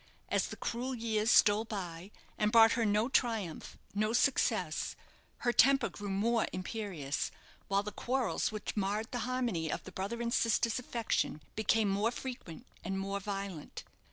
As the cruel years stole by, and brought her no triumph, no success, her temper grew more imperious, while the quarrels which marred the harmony of the brother and sister's affection became more frequent and more violent.